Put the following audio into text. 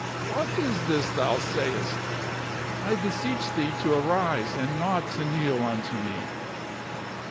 what is this thou sayst? I beseech thee to arise and not to kneel unto me."